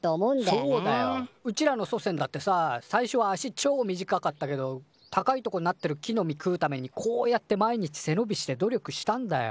そうだようちらの祖先だってさ最初は足ちょ短かったけど高いとこなってる木の実食うためにこうやって毎日背のびして努力したんだよ。